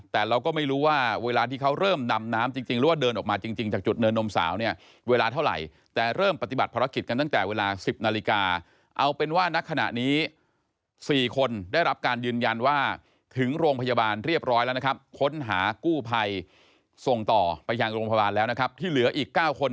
แต่เราก็ไม่รู้ว่าเวลาที่เขาเริ่มดำน้ำจริงหรือว่าเดินออกมาจริงจากจุดเนินนมสาวเนี่ยเวลาเท่าไหร่แต่เริ่มปฏิบัติภารกิจกันตั้งแต่เวลา๑๐นาฬิกาเอาเป็นว่าณขณะนี้๔คนได้รับการยืนยันว่าถึงโรงพยาบาลเรียบร้อยแล้วนะครับค้นหากู้ภัยส่งต่อไปยังโรงพยาบาลแล้วนะครับที่เหลืออีก๙คน